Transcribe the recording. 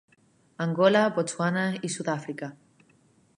Angola, Botswana i Sud-àfrica.